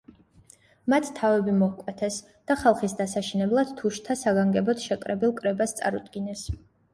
მათ თავები მოჰკვეთეს და ხალხის დასაშინებლად თუშთა საგანგებოდ შეკრებილ კრებას წარუდგინეს.